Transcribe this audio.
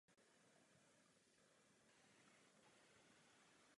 V té době byl již velmi populárním kazatelem.